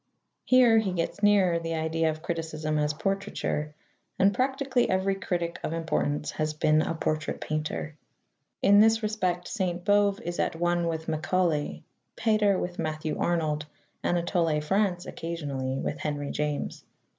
Here he gets nearer the idea of criticism as portraiture, and practically every critic of importance has been a portrait painter. In this respect Saint Beuve is at one with Macaulay, Pater with Matthew Arnold, Anatole France (occasionally) with Henry James.